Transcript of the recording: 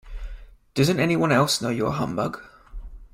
Doesn't anyone else know you're a humbug?